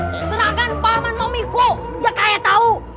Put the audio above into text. diserahkan pakman momiko dia kaya tau